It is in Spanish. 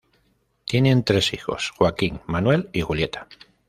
Tienen tres hijos, Joaquín, Manuel y Julieta.